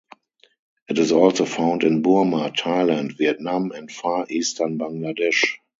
It is also found in Burma, Thailand, Vietnam, and far eastern Bangladesh.